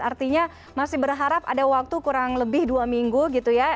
artinya masih berharap ada waktu kurang lebih dua minggu gitu ya